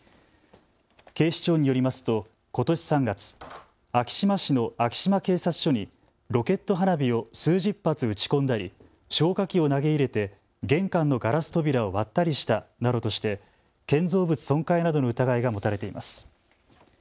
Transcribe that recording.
警視庁によりますとことし３月、昭島市の昭島警察署にロケット花火を数十発打ち込んだり消火器を投げ入れて玄関のガラス扉を割ったりしたなどとして建造物損壊などの疑いが持たれています。